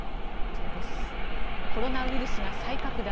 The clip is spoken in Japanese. コロナウイルスが再拡大